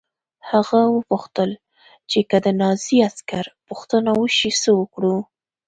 هغه وپوښتل چې که د نازي عسکر پوښتنه وشي څه وکړو